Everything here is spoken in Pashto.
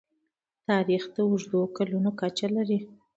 تاریخ د اوږدو کلونو کچه لري.